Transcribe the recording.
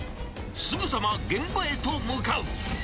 すぐさま現場へと向かう。